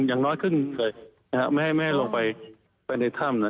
อย่างน้อยครึ่งเลยไม่ให้ลงไปในถ้ำนะ